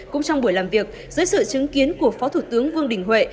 cũng trong buổi làm việc dưới sự chứng kiến của phó thủ tướng vương đình huệ